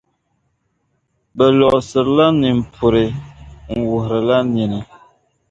Bɛ luɣisiri nimpuri n-wuhirila nini.